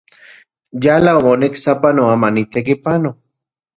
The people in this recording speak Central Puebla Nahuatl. Yala omonek sapanoa manitekipano.